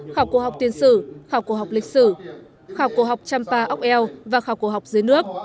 khảo cổ học tiên sử khảo cổ học lịch sử khảo cổ học chăm pa óc eo và khảo cổ học dưới nước